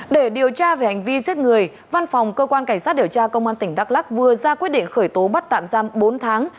để điều tra về hành vi giết người văn phòng cơ quan cảnh sát điều tra công an tỉnh đắk lắc vừa ra quyết định khởi tố bắt tạm giam bốn tháng